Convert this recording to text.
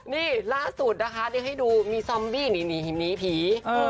นี่ล่าสุดนะคะได้ให้ดูมีซอมบี้นี่นี่นี่ผี